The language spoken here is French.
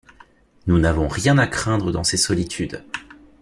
Nous n’avons rien à craindre dans ces solitudes